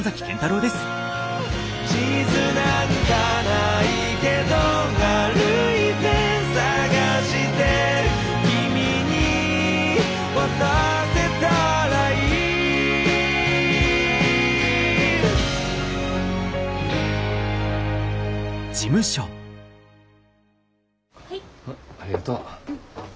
うんありがとう。